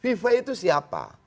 fifa itu siapa